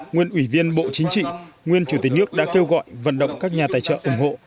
nguyên ủy viên bộ chính trị nguyên chủ tịch nước đã kêu gọi vận động các nhà tài trợ ủng hộ